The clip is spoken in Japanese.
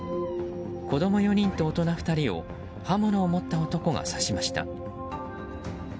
子供４人と大人２人を刃物を持った男が刺しました。